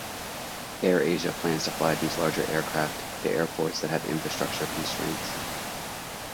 Air Asia plans to fly these larger aircraft to airports that have infrastructure constraints.